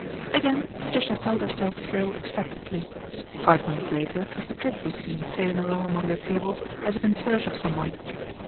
Again Patricia felt herself thrill expectantly, ive minutes later Mr. Triggs was seen sailing along nong the tables as if in search of someone.